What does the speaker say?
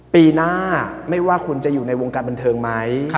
ปีหน้าไม่ว่าคุณจะอยู่ในวงการบันเทิงไหม